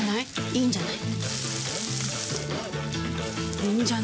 いいんじゃない？